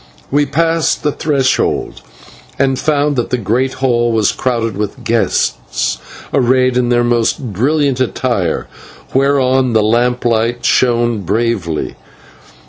We passed the threshold and found that the great hall was crowded with guests arrayed in their most brilliant attire, whereon the lamplight shone bravely.